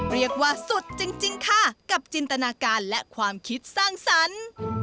เรียกว่าสุดจริงค่ะกับจินตนาการและความคิดสร้างสรรค์